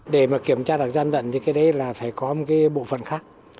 để kiểm tra được gian lận thì phải có một bộ phần khác